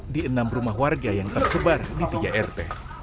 di enam rumah warga yang tersebar di tiga rt